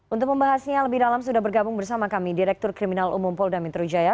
untuk membahasnya lebih dalam sudah bergabung bersama kami direktur kriminal umum polda metro jaya